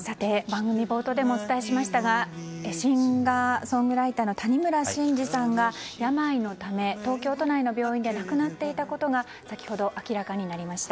番組冒頭でもお伝えしましたがシンガーソングライターの谷村新司さんが病のため、東京都内の病院で亡くなっていたことが先ほど、明らかになりました。